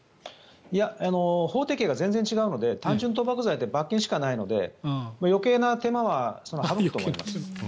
法定刑が全然違うので単純賭博罪は罰金しかないので余計な手間は省くと思います。